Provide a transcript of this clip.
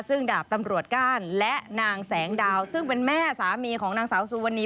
ซึ่งดาบตำรวจก้านและนางแสงดาวซึ่งเป็นแม่สามีของนางสาวสุวรรณี